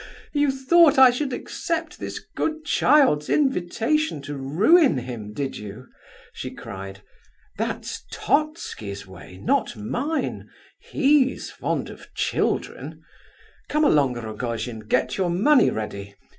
"You thought I should accept this good child's invitation to ruin him, did you?" she cried. "That's Totski's way, not mine. He's fond of children. Come along, Rogojin, get your money ready!